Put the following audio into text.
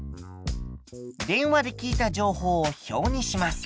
電話で聞いた情報を表にします。